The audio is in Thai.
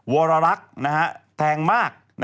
วรรักษ์แทงมาก